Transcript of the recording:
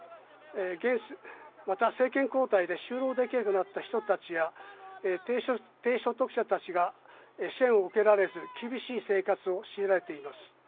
また、政権交代で就労できなくなった人たちや低所得者たちが支援を受けられず厳しい生活を強いられています。